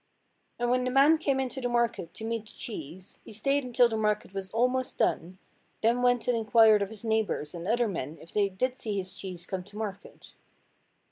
And when the man came into the market to meet the cheese, he stayed until the market was almost done, then went and inquired of his neighbours and other men if they did see his cheese come to market.